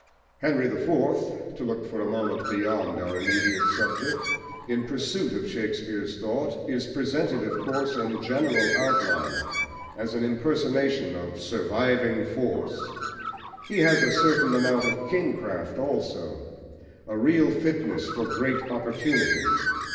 Henry the Fourth to look for a moment beyond our immediate subject, in pursuit of Shakespeare's thought is presented, of course, in general outline, as an impersonation of "surviving force:" he has a certain amount of kingcraft also, a real fitness for great opportunity.